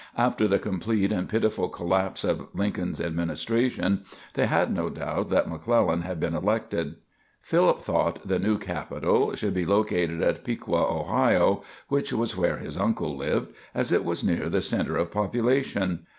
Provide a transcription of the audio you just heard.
After the complete and pitiful collapse of Lincoln's administration, they had no doubt that McClellan had been elected. Philip thought the new capital should be located at Piqua, Ohio (which was where his uncle lived), as it was near the center of population!